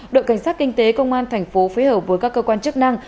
đội cảnh sát kinh tế công an tp phối hợp với các cơ quan chức năng